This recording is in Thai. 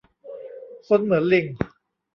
ซนเหมือนลิง